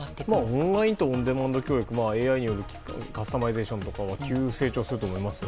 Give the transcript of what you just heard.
オンラインとオンデマンド教育ＡＩによるカスタマイゼーションは急成長すると思いますよ。